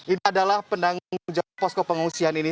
ini adalah penanggung jawab posko pengungsian ini